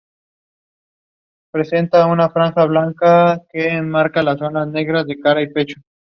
La dentina es radio-opaca por su relativamente alta impregnación de sales minerales.